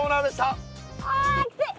あきつい。